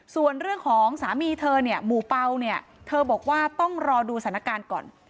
ส่วนเรื่องของสามีเธอเนี่ยหมู่เปล่าเนี่ยเธอบอกว่าต้องรอดูสถานการณ์ก่อน